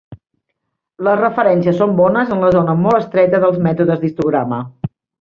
Les referències són bones en la zona molt estreta dels mètodes d'histograma.